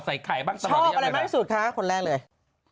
ชอบที่ไปดูการทะเลกัน